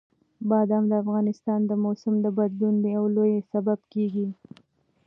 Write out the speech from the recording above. بادام د افغانستان د موسم د بدلون یو لوی سبب کېږي.